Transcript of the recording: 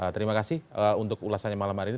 terima kasih untuk ulasannya malam hari ini